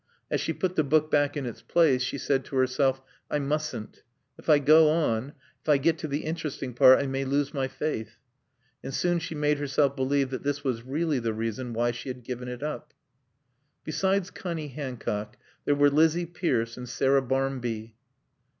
As she put the book back in its place she said to herself: "I mustn't. If I go on, if I get to the interesting part I may lose my faith." And soon she made herself believe that this was really the reason why she had given it up. Besides Connie Hancock there were Lizzie Pierce and Sarah Barmby.